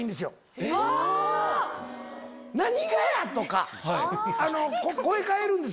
「何がや⁉」とか。